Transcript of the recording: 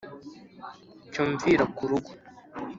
cyo mvira kurugo